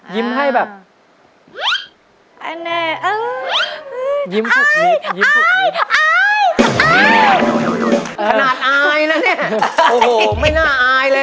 ยิ้มให้แบบยิ้มผุกมิตรอายอายอายอาย